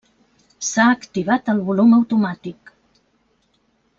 S'ha activat el volum automàtic.